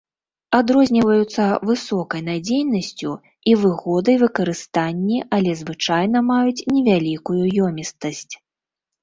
Адрозніваюцца высокай надзейнасцю і выгодай выкарыстанні, але звычайна маюць невялікую ёмістасць.